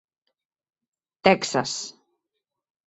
Texas.